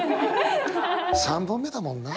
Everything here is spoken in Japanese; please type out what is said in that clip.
３本目だもんな。